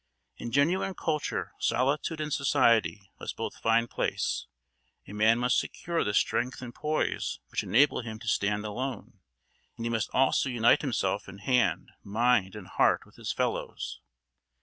In genuine culture solitude and society must both find place; a man must secure the strength and poise which enable him to stand alone, and he must also unite himself in hand, mind, and heart with his fellows.